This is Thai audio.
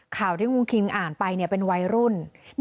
ข่าวที่วงคิงอ่านไปเนี่ยเป็นวัยรุ่น